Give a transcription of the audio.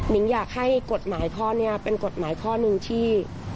อยากให้กฎหมายข้อนี้เป็นกฎหมายข้อหนึ่งที่